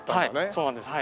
そうなんです。